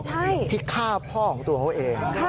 ใช่ที่ฆ่าพ่อของตัวเขาเอง